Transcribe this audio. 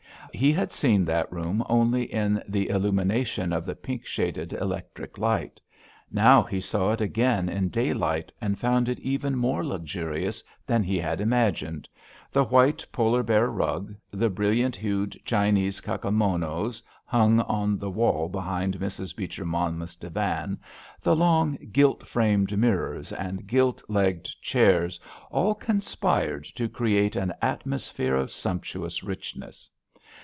He had seen that room only in the illumination of the pink shaded electric light, now he saw it again in daylight, and found it even more luxurious than he had imagined—the white polar bear rug, the brilliant hued Chinese kakemonos hung on the wall behind Mrs. Beecher Monmouth's divan, the long gilt framed mirrors, and gilt legged chairs all conspired to create an atmosphere of sumptuous richness.